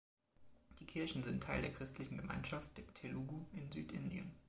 Die Kirchen sind Teil der christlichen Gemeinschaft der Telugu in Südindien.